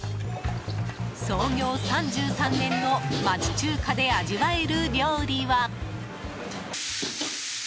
創業３３年の街中華で味わえる料理は。